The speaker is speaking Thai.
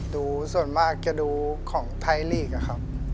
ดูส่วนมากจะดูของไทยลีกอะครับ